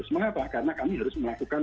mengapa karena kami harus melakukan